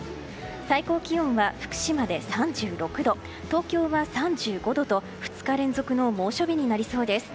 最高気温は福島で３６度東京は３５度と２日連続の猛暑日となりそうです。